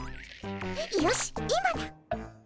よし今だ！